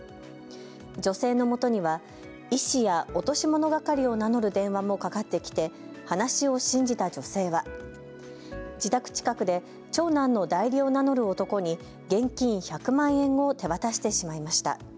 女性のもとには医師や落とし物係を名乗る電話もかかってきて、話を信じた女性は自宅近くで長男の代理を名乗る男に現金１００万円を手渡してしまいました。